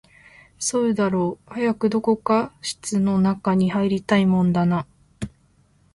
そうだろう、早くどこか室の中に入りたいもんだな